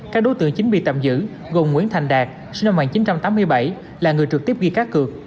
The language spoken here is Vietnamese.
các đối tượng chính bị tạm giữ gồm nguyễn thành đạt sinh năm một nghìn chín trăm tám mươi bảy là người trực tiếp ghi cá cược